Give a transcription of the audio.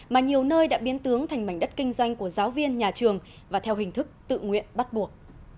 mà nhiều nơi đã biến tướng thành mảnh đất kinh doanh của giáo viên nhà trường và theo hình thức tự nguyện bắt buộc